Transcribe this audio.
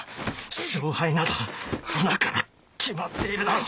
勝敗などはなから決まっているだろ！